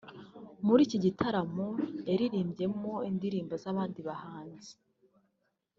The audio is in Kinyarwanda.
muri iki gitaramo yaririmbyemo indirimbo z’abandi bahanzi